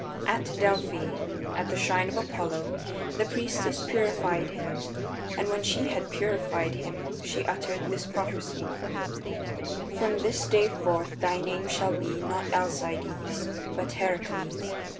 At Delphi, at the shrine of Apollo, the priestess purified him, and when she had purified him she uttered this prophecy: "From this day forth thy name shall be, not Alcides, but Heracles.